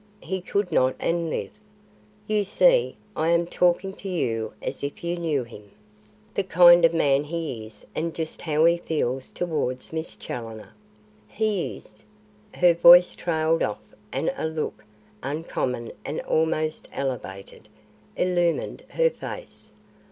He could not and live. You see, I am talking to you as if you knew him, the kind of man he is and just how he feels towards Miss Challoner. He is " Her voice trailed off and a look, uncommon and almost elevated, illumined her face.